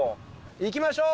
行きましょう。